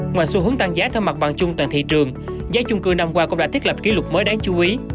ngoài xu hướng tăng giá theo mặt bằng chung toàn thị trường giá chung cư năm qua cũng đã thiết lập kỷ lục mới đáng chú ý